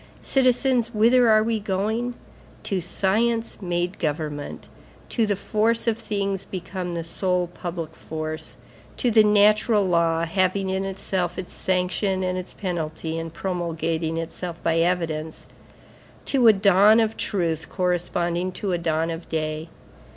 Citizens, whither are we going? To science made government, to the force of things become the sole public force, to the natural law, having in itself its sanction and its penalty and promulgating itself by evidence, to a dawn of truth corresponding to a dawn of day.